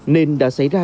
nên đã xảy ra